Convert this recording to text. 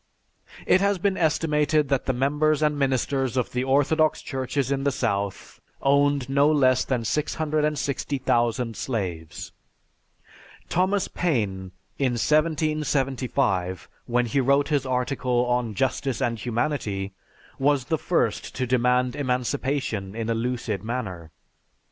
It has been estimated that the members and ministers of the Orthodox churches in the South owned no less than 660,000 slaves. Thomas Paine, in 1775, when he wrote his article on "Justice and Humanity," was the first to demand emancipation in a lucid manner.